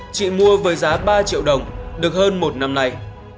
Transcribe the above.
chị mua với giá ba triệu đồng được hơn một năm nay